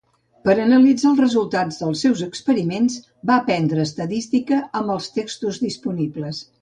Per analitzar els resultats dels seus experiments, va aprendre estadística amb els textos disponibles.